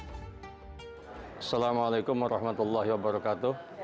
assalamualaikum warahmatullahi wabarakatuh